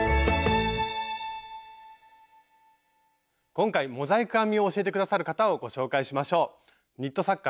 今回モザイク編みを教えて下さる方をご紹介しましょう。